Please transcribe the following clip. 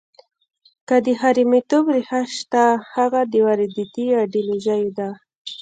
که د حرامیتوب ریښه شته، هغه د وارداتي ایډیالوژیو ده.